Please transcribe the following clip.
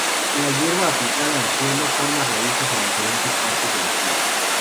Hierba aplicada al suelo, forma raíces en diferentes partes de los tallos.